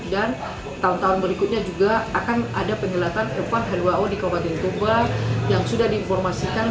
dan tahun tahun berikutnya juga akan ada pengelatan f satu h dua o di kabupaten toba yang sudah diinformasikan